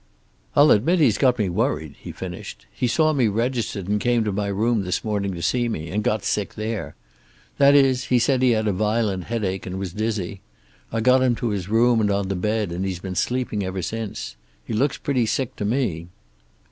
"I'll admit he's got me worried," he finished. "He saw me registered and came to my room this morning to see me, and got sick there. That is, he said he had a violent headache and was dizzy. I got him to his room and on the bed, and he's been sleeping ever since. He looks pretty sick to me."